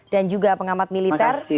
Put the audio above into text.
dan juga pengamat militer